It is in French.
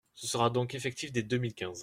Ce sera donc effectif dès deux mille quinze.